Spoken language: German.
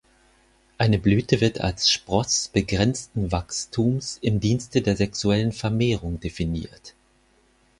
Eine Blüte wird als Spross begrenzten Wachstums im Dienste der sexuellen Vermehrung definiert.